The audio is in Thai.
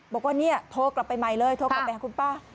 บอกว่าเนี่ยโทรกลับไปใหม่เลยโทรกลับไปหาคุณป้า